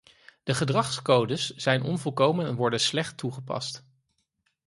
De gedragscodes zijn onvolkomen en worden slecht toegepast.